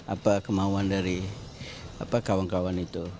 apa kemauan dari kawan kawan itu